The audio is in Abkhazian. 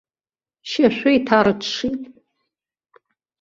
Шьашәы иҭарыҽҽит!